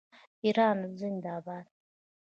ایران زنده باد.